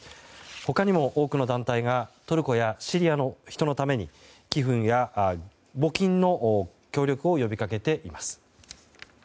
他にも多くの団体がトルコやシリアの人のために募金や寄付への協力を呼び掛けています。